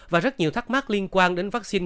và rất nhiều thắc mắc liên quan đến vaccine